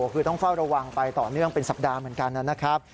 คือต้องเฝ้าระวังไปต่อเนื่องเป็นสัปดาห์เหมือนกันนะครับ